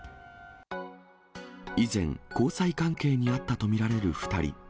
以前、交際関係にあったと見られる２人。